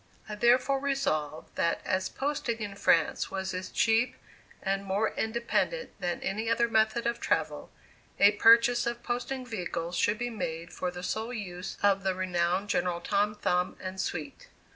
I therefore resolved that as posting in France was as cheap, and more independent than any other method of travel, a purchase of posting vehicles should be made for the sole use of the renowned General Tom Thumb and suite.